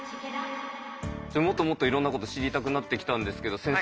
もっともっといろんなこと知りたくなってきたんですけど先生